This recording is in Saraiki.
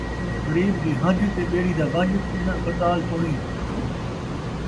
غریب دی ہن٘جھ تے ٻیڑی دا ون٘جھ پُڄݨ پتال توݨیں